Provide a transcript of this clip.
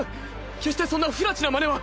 決してそんなふらちなまねは。